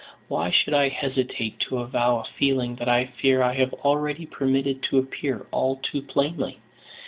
Why should I hesitate to avow a feeling that I fear I have already permitted to appear all too plainly.